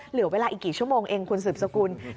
เหลือเวลาอีกกี่ชั่วโมงเองคุณสืบสกุล